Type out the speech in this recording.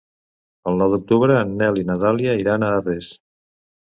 El nou d'octubre en Nel i na Dàlia iran a Arres.